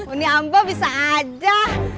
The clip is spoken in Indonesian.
ini ambah bisa aja